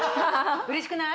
うれしくない？